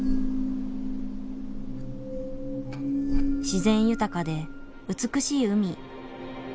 自然豊かで美しい海。